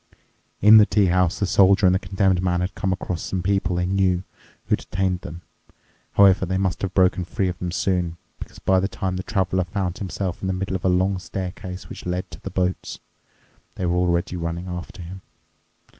In the tea house the Soldier and the Condemned Man had come across some people they knew who detained them. However, they must have broken free of them soon, because by the time the Traveler found himself in the middle of a long staircase which led to the boats, they were already running after him.